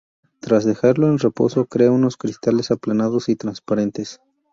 Tras dejarlo en reposo, crea unos cristales aplanados y transparentes.